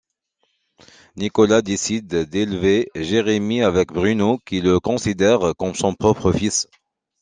Nicolas décide d'élever Jérémy avec Bruno qui le considère comme son propre fils.